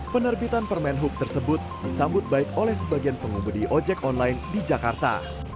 penerbitan permen hub tersebut disambut baik oleh sebagian pengumudi ojek online di jakarta